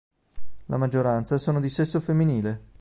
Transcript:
La maggioranza sono di sesso femminile.